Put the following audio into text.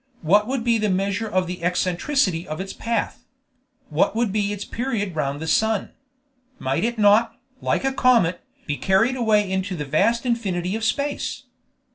What would be the measure of the eccentricity of its path? What would be its period round the sun? Might it not, like a comet, be carried away into the vast infinity of space?